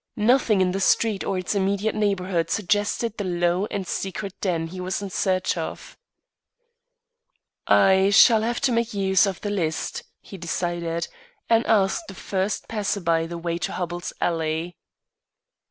Nothing in the street or its immediate neighbourhood suggested the low and secret den he was in search of. "I shall have to make use of the list," he decided, and asked the first passer by the way to Hubbell's Alley.